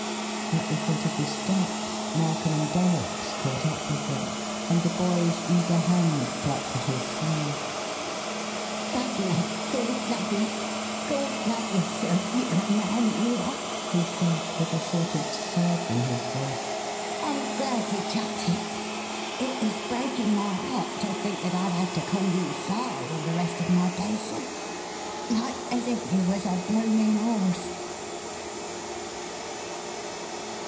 At the foot of the steps Narkom and Dollops caught up with him, and the boy's eager hand plucked at his sleeve. "Guv'ner, Gawd love yer Gawd love yer, sir; you're a man, you are!" he said with a sort of sob in his voice. "I'm glad you chucked it. It was breakin' my heart to think that I'd have to call you 'Sire' all the rest of my days, sir like as if you was a bloomin' horse!"